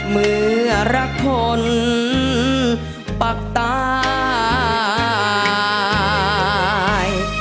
เมื่อรักคนปักตาย